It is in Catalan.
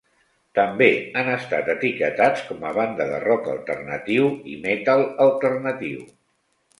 També han estat etiquetats com a banda de rock alternatiu i metal alternatiu.